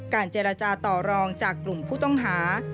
เจรจาต่อรองจากกลุ่มผู้ต้องหา